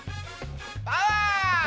パワー！